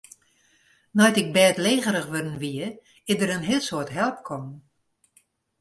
Nei't ik bêdlegerich wurden wie, is der in heel soad help kommen.